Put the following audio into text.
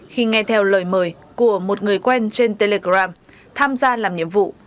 khi nghe theo lời mời của một người quen trên telegram tham gia làm nhiệm vụ